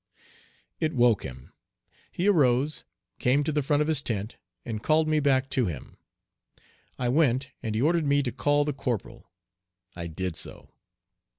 It woke him. He arose, came to the front of his tent, and called me back to him. I went, and he ordered me to call the corporal. I did so.